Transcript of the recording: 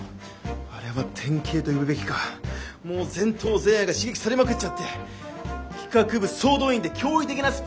あれは天啓と呼ぶべきかもう前頭前野が刺激されまくっちゃって企画部総動員で驚異的なスピードで完成させたよ。